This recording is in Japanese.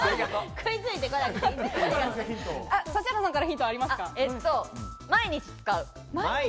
指原さんからヒントありますか？